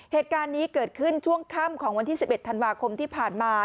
เหตุการณ์นี้เกิดขึ้นช่วงค่ำของวันที่๑๑ธันวาคมที่ผ่านมา